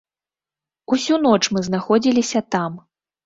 Усю ноч мы знаходзіліся там.